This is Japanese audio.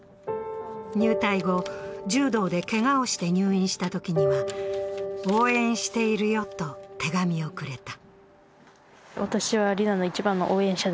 入隊後、柔道でけがをして入院したときには「応援しているよ」と手紙をくれた。